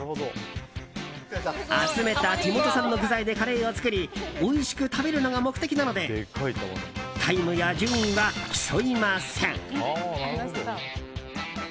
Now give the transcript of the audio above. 集めた地元産の具材でカレーを作りおいしく食べるのが目的なのでタイムや順位は競いません。